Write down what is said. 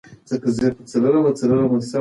که هوا وي نو فشار نه ورکېږي.